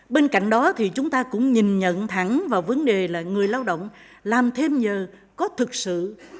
bên cạnh đó thì chúng ta cũng nhìn nhận thẳng vào vấn đề là người lao động làm thêm giờ có thực sự